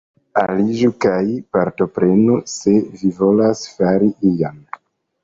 Aliĝu kaj partoprenu, se vi volas fari ion.